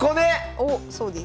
おっそうです。